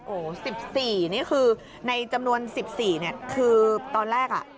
โอ้โฮ๑๔นี่คือในจำนวน๑๔คือตอนแรก